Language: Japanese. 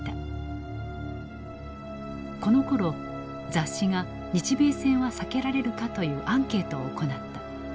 このころ雑誌が「日米戦は避けられるか」というアンケートを行った。